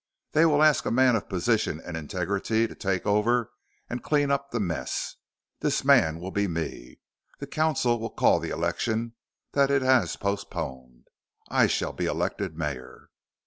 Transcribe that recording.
They will ask a man of position and integrity to take over and clean up the mess. This man will be me. The council will call the election that it has postponed. I shall be elected mayor.